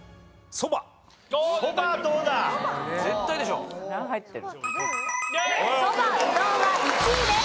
そばうどんは１位です。